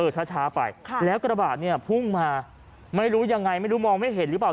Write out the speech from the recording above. ช้าไปแล้วกระบาดเนี่ยพุ่งมาไม่รู้ยังไงไม่รู้มองไม่เห็นหรือเปล่า